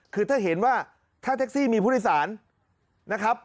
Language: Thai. คือถ้าเห็นว่าถ้าแท็กซี่มีผู้โดยสารนะครับ